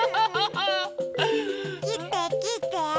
きてきて！